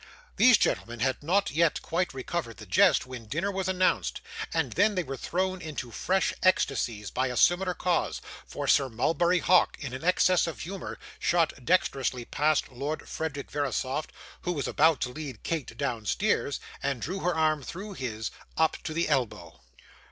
These gentlemen had not yet quite recovered the jest, when dinner was announced, and then they were thrown into fresh ecstasies by a similar cause; for Sir Mulberry Hawk, in an excess of humour, shot dexterously past Lord Frederick Verisopht who was about to lead Kate downstairs, and drew her arm through his up to the elbow.